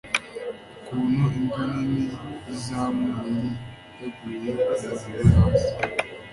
ukuntu imbwa nini yizamu yari yaguye umujura hasi